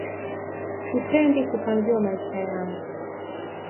Sipendi kupangiwa maisha yangu.